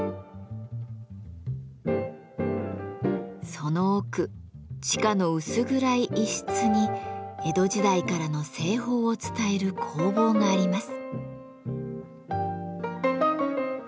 その奥地下の薄暗い一室に江戸時代からの製法を伝える工房があります。